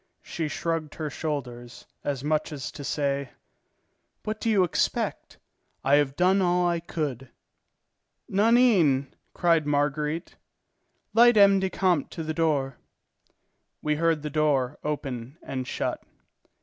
She shrugged her shoulders, as much as to say: "What do you expect? I have done all I could." "Nanine!" cried Marguerite. "Light M. le Comte to the door." We heard the door open and shut.